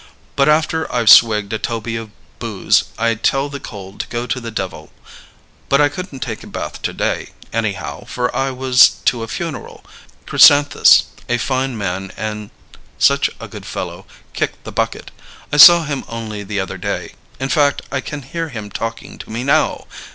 But after I've swigged a toby of booze, I tell the cold to go to the devil. But I couldn't take a bath to day, anyhow, for I was to a funeral. Chrysanthus, a fine man and such a good fellow, kicked the bucket. I saw him only the other day in fact, I can hear him talking to me now.